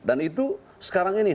dan itu sekarang ini